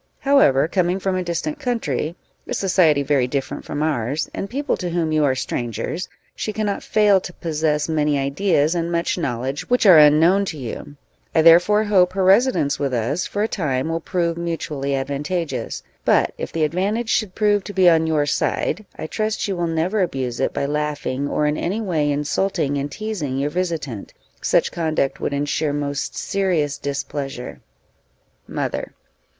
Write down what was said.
However, coming from a distant country, a society very different from ours, and people to whom you are strangers, she cannot fail to possess many ideas and much knowledge which are unknown to you; I therefore hope her residence with us for a time will prove mutually advantageous; but if the advantage should prove to be on your side, I trust you will never abuse it by laughing, or in any way insulting and teazing your visitant; such conduct would ensure most serious displeasure. _Mother.